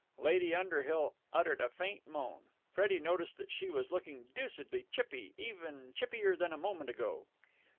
Lady Underhill uttered a faint moan. Freddie noticed that she was looking deucedly chippy, even chippier than a moment ago.